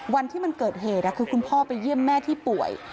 วันที่มันเกิดเหตุคือคุณพ่อไปเยี่ยมแม่ที่ป่วย